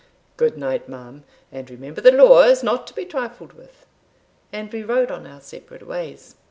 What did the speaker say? "Good night, ma'am, and remember the law is not to be trifled with." And we rode on our separate ways.